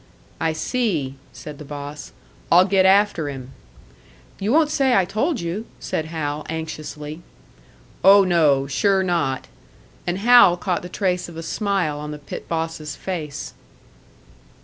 "I see," said the boss. "I'll get after him." "You won't say I told you," said Hal, anxiously. "Oh, no sure not." And Hal caught the trace of a smile on the pit boss's face.